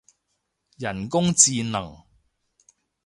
人工智能